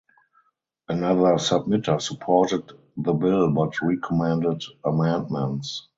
Another submitter supported the Bill but recommended amendments.